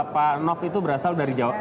pak nof itu berasal dari jawa